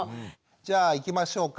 じゃあいきましょうか。